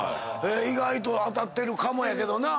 意外と当たってるかもやけどな。